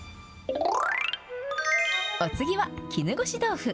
お次は、絹ごし豆腐。